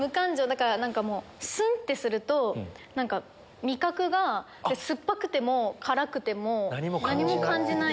だからスンってすると味覚が酸っぱくても辛くても何も感じない。